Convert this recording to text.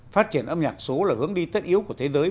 phát triển âm nhạc số là hướng đi tất yếu của thế giới